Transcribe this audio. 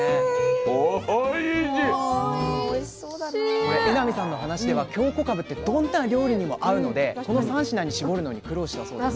これ榎並さんの話では京こかぶってどんな料理にも合うのでこの３品に絞るのに苦労したそうです。